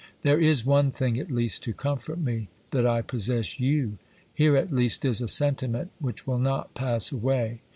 There is one thing at least to comfort me, that I possess you : here at least is a sentiment which will not pass away.